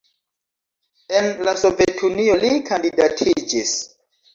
En la Sovetunio li kandidatiĝis.